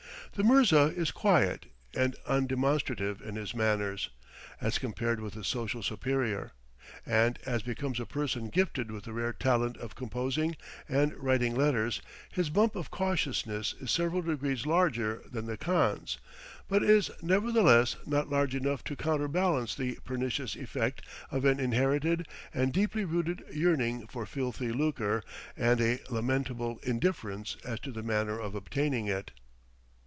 The mirza is quiet and undemonstrative in his manners, as compared with his social superior; and as becomes a person gifted with the rare talent of composing and writing letters, his bump of cautiousness is several degrees larger than the khan's, but is, nevertheless, not large enough to counterbalance the pernicious effect of an inherited and deeply rooted yearning for filthy lucre and a lamentable indifference as to the manner of obtaining it.